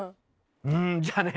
うんじゃあね